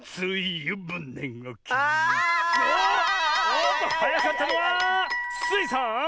おっとはやかったのはスイさん！